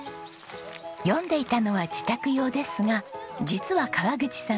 読んでいたのは自宅用ですが実は川口さん